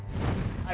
はい。